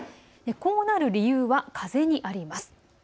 こうなる理由は、風にあります。